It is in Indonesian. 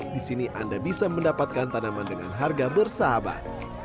di sini anda bisa mendapatkan tanaman dengan harga bersahabat